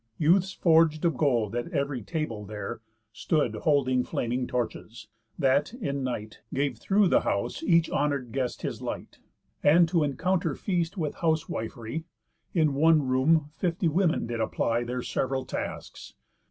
Youths forg'd of gold, at ev'ry table there, Stood holding flaming torches, that, in night, Gave through the house each honour'd guest his light And, to encounter feast with housewif'ry, In one room fifty women did apply Their sev'ral tasks.